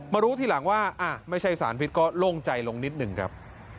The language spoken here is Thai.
รู้ทีหลังว่าไม่ใช่สารพิษก็โล่งใจลงนิดหนึ่งครับ